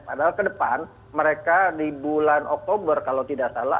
padahal ke depan mereka di bulan oktober kalau tidak salah